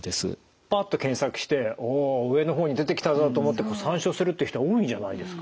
パッと検索して「おお上の方に出てきたぞ」と思って参照するって人は多いんじゃないですか？